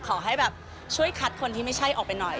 ขอให้แบบช่วยคัดคนที่ไม่ใช่ออกไปหน่อย